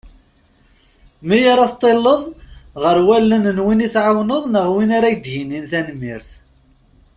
Mi ara teṭṭileḍ ɣer wallen n win tɛawneḍ neɣ mi ara ak-d-yini tanmirt.